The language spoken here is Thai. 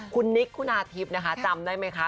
คุณนิคคุณอาทิบจำได้ไหมคะ